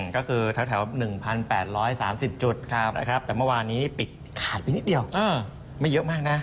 ก็คือแถว๑๘๓๐จุดนะครับแต่เมื่อวานนี้ปิดขาดไปนิดเดียวไม่เยอะมากนะ